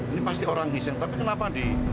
ini pasti orang ngiseng tapi kenapa di